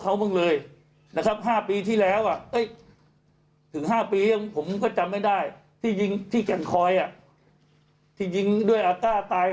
เขาบ้างเลยนะครับ๕ปีที่แล้วถึง๕ปีผมก็จำไม่ได้ที่ยิงที่แก่งคอยที่ยิงด้วยอาต้าตาย